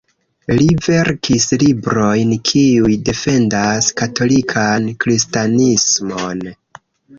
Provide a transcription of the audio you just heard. Li verkis librojn, kiuj defendas katolikan kristanismon.